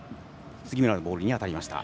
杉村のボールに当たりました。